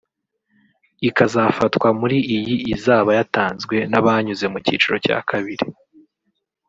ikazafatwa muri iyi izaba yatanzwe n’abanyuze mu cyiciro cya kabiri